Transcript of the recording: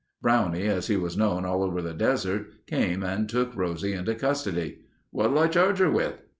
Brownie, as he is known all over the desert, came and took Rosie into custody. "What'll I charge her with?"